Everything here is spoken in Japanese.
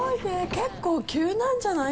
結構急なんじゃない？